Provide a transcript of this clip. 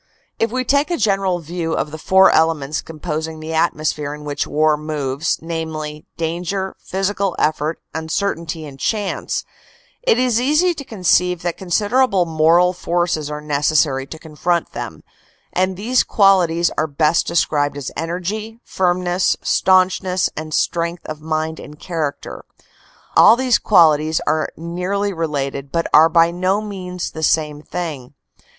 ... "If we take a general view of the four elements composing the atmosphere in which war moves, namely, danger, physical effort, uncertainty and chance, it is easy to conceive that con siderable moral forces are necessary to confront them, and these qualities are best described as energy, firmness, staunch ness and strength of mind and character. All these qualities are nearly related but are by no means the same thing.